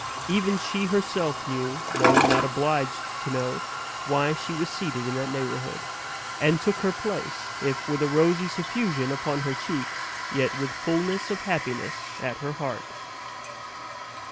Even she herself knew, though not obliged to know, why she was seated in that neighborhood; and took her place, if with a rosy suffusion upon her cheeks, yet with fullness of happiness at her heart.